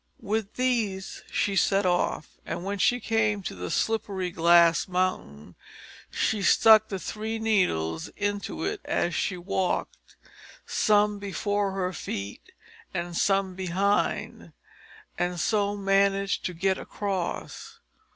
With these she set off, and when she came to the slippery glass mountain, she stuck the three needles into it as she walked some before her feet, and some behind and so managed to get across.